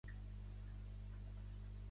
Que la "z" sigui un zero de la "f".